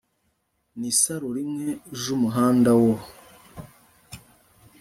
n isaro rimwe j Umuhanda wo